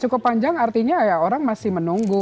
cukup panjang artinya ya orang masih menunggu